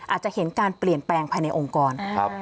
อาจจะเห็นการเปลี่ยนแปลงภายในองค์กร